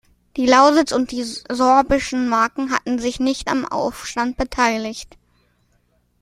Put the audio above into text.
Die Lausitz und die sorbischen Marken hatten sich nicht am Aufstand beteiligt.